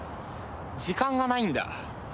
時間がないんだ。